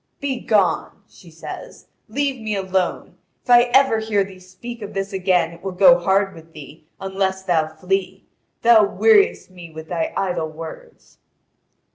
"Begone," she says; "leave me alone. If I ever hear thee speak of this again it will go hard with thee, unless thou flee. Thou weariest me with thy idle words."